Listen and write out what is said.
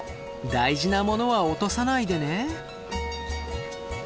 大事なものは落とさないでね。